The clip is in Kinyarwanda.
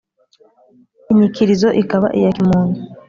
Inyikilizo ikaba iya kimuntu